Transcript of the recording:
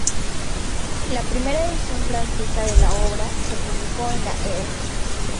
La primera edición francesa de la obra se publicó en la ed.